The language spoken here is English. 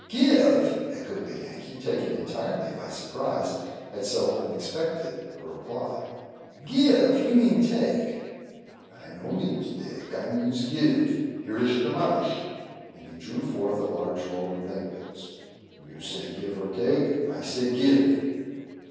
"Give!" echoed the Yankee, taken entirely by surprise at so unexpected a reply. "Give! You mean, take." "I no means dake, I means give. Here ish de monish;" and he drew forth a large roll of bank bills. "You say give or dake I say give."